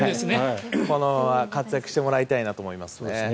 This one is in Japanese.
このまま活躍してもらいたいと思います。